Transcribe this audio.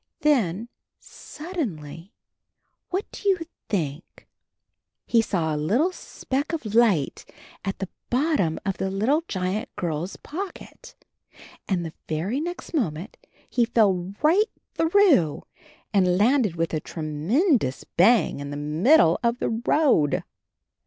Then — suddenly, what do you think? He saw a little speck of light at the bottom of the little giant girl's pocket. And the very next moment he fell right through and landed with a tremendous bang in the mid dle of the road.